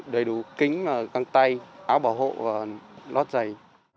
đầy đủ kính găng tay áo bảo hộ và lót giày